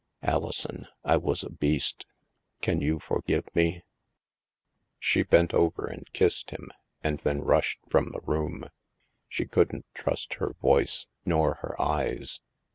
Alison, I was a beast. Can you for give me?" She bent over and kissed him and then rushed from the room. She couldn't trust her voice nor her eyes.